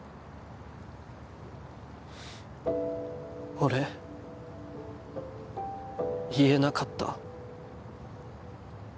俺言えなかった。